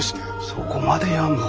そこまでやるの？